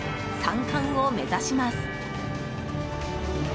３冠を目指します。